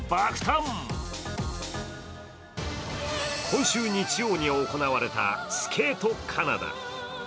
今週日曜に行われたスケートカナダ。